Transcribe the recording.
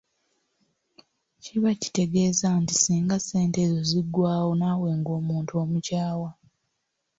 Kiba kitegeeza nti singa ssente ezo ziggwaawo naawe ng'omuntu omukyawa.